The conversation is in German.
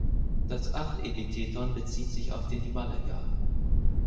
Das Artepitheton bezieht sich auf den Himalaya.